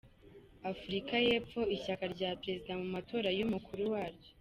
Afurika y’Epfo ishyaka rya Perezida mu matora y’umukuru waryo